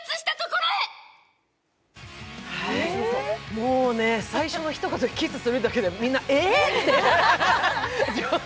もう最初のひと言、キスするだけで、みんな「えっ？」